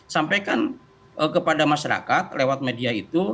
sampaikan kepada masyarakat lewat media itu